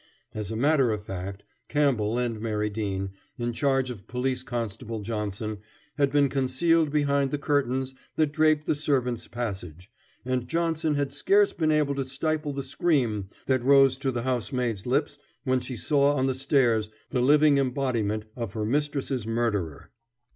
As a matter of fact, Campbell and Mary Dean, in charge of Police Constable Johnson, had been concealed behind the curtains that draped the servants' passage, and Johnson had scarce been able to stifle the scream that rose to the housemaid's lips when she saw on the stairs the living embodiment of her mistress's murderer.